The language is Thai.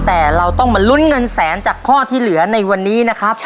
แต่เราต้องมาลุ้นเงินแสนจากข้อที่เหลือในวันนี้นะครับ